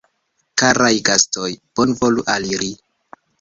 Karaj gastoj, bonvolu aliri!